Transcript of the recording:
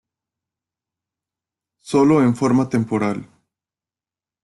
Sólo en forma temporal.